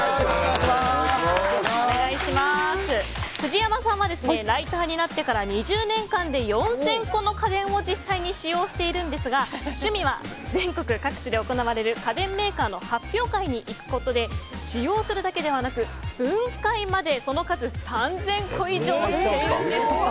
藤山さんはライターになってから２０年間で４０００個の家電を実際に使用しているんですが趣味は、全国各地で行われる家電メーカーの発表会に行くことで使用するだけではなく分解まで、その数３０００個以上しているんです。